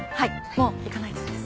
もう行かないとです。